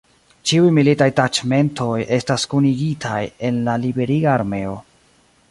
Ĉiuj militaj taĉmentoj estas kunigitaj en la Liberiga Armeo.